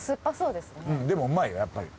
でもうまいよやっぱり。